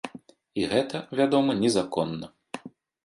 І гэта, вядома, незаконна.